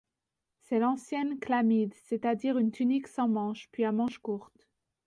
C'est l'ancienne chlamyde, c'est-à-dire une tunique sans manches, puis à manches courtes.